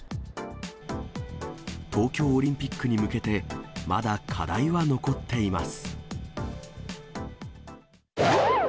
東京オリンピックに向けて、まだ課題は残っています。